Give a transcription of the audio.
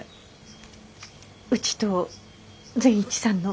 うちと善一さんの。